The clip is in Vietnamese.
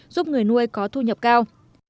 giúp người nuôi có thu nhập cao